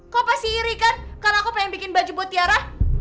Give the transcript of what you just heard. kamu pasti iri kan karena aku pengen bikin baju buat tiara